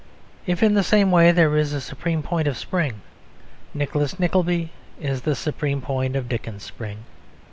If in the same way there is a supreme point of spring, Nicholas Nickleby is the supreme point of Dickens's spring.